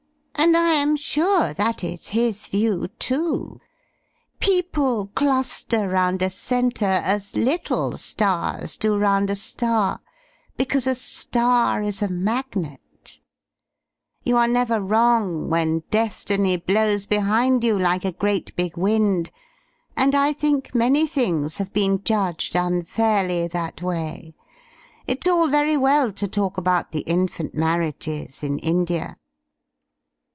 And I am sure that is his view, too. People cluster round a centre as little stars do round a star ; because a star is a magnet You are never wrong when destiny blows behind you like a great big wind; and I think many things have been judged unfairly that way. It's all very weD to talk about the infant marriages in India."